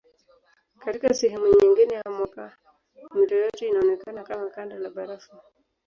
Katika sehemu nyingine ya mwaka mito yote inaonekana kama kanda la barafu.